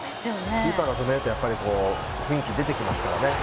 キーパーが止めると雰囲気、出て来ますからね。